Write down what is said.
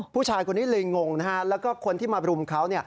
ผู้ชายคนนี้เลยงงนะฮะแล้วก็คนที่มารุมเขา